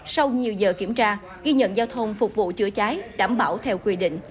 sau nhiều giờ kiểm tra ghi nhận giao thông phục vụ chữa cháy đảm bảo theo quy định